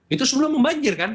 itu sebelum membanjir kan